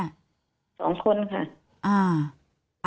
๒คนค่ะ